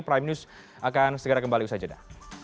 prime news akan segera kembali usaha jeda